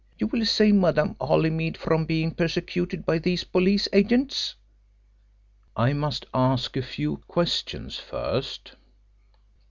You will save Madame Holymead from being persecuted by these police agents?" "I must ask you a few questions first."